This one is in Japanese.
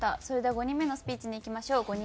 それでは５人目のスピーチにいきましょう。